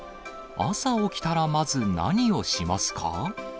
朝起きたら、まず何をしますか？